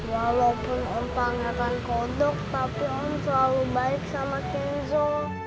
walaupun om panggilnya kodok tapi om selalu baik sama kinzo